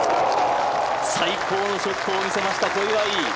最高のショットを見せました、小祝。